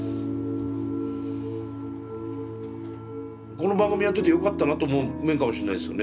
この番組やっててよかったなと思う面かもしんないですよね。